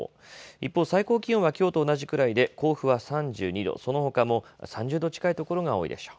一方、最高気温はきょうと同じくらいで甲府は３２度、そのほかも３０度近い所が多いでしょう。